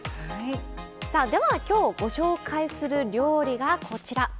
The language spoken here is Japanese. さあではきょうご紹介する料理がこちら。